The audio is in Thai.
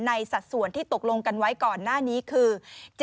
สัดส่วนที่ตกลงกันไว้ก่อนหน้านี้คือ